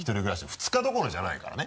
２日どころじゃないからね。